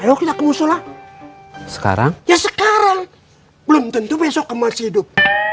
ayo kita ke musyola sekarang ya sekarang belum tentu besok kemas hidup